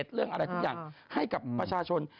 เรื่องอะไรทุกอย่างให้กับประชาชน